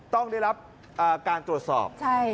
ต้องได้รับการตรวจสอบ